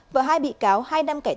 và hai bị cáo hai năm cải tạo